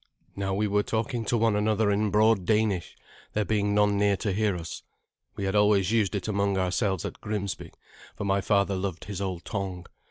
Now we were talking to one another in broad Danish, there being none near to hear us. We had always used it among ourselves at Grimsby, for my father loved his old tongue.